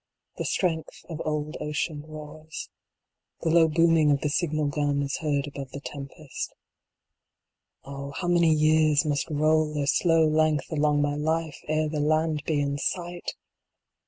The strength of old ocean roars. The low booming of the signal gun is heard above the tempest Oh how many years must roll their slow length along my life, ere the land be in sight